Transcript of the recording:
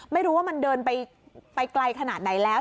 ไม่รู้ว่ามันเดินไปไกลขนาดไหนแล้ว